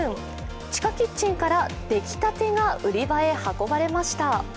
地下キッチンから出来たてが売り場へ運ばれました。